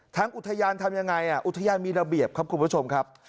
ทางอุทยานทำยังไงอุทยานมีระเบียบครับคุณผู้ชมครับ